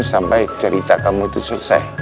sampai cerita kamu itu selesai